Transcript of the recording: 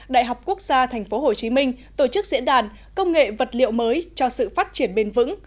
đại học quốc gia tp hcm tổ chức diễn đàn công nghệ vật liệu mới cho sự phát triển bền vững